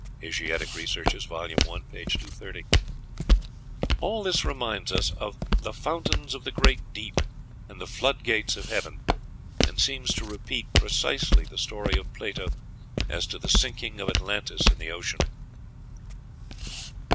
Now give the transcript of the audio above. ("Asiatic Researches," vol. i., p. 230.) All this reminds us of "the fountains of the great deep and the flood gates of heaven," and seems to repeat precisely the story of Plato as to the sinking of Atlantis in the ocean.